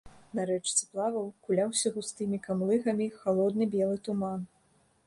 На рэчцы плаваў, куляўся густымі камлыгамі халодны белы туман.